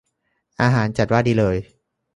อาหารจัดว่าดีเลย